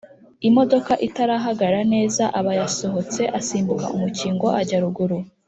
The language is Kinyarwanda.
Imodoka itarahagarara neza aba yasohotse asimbuka umukingo ajya ruguru